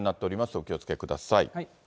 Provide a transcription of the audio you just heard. お気をつけください。